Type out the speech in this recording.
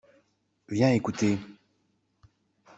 Viens écouter.